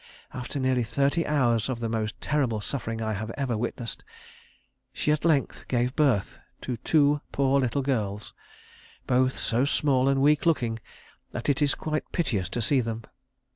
After nearly thirty hours of the most terrible suffering I have ever witnessed, she at length gave birth to two poor little girls, both so small and weak looking that it is quite piteous to see them.